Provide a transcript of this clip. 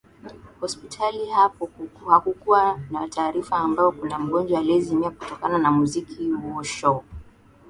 hospitali hapo hakukuwa na taarifa ambayo kuna mgonjwa aliezimia kutokana na muziki huo shoo